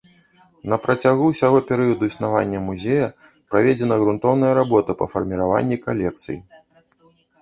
На працягу ўсяго перыяду існавання музея праведзена грунтоўная работа па фарміраванні калекцый.